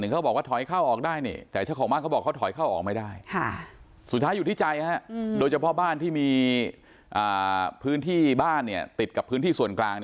แล้วก็เอาออกไม่ได้สุดท้ายอยู่ที่ใจโดยเฉพาะบ้านที่มีพื้นที่บ้านติดกับพื้นที่ส่วนกลาง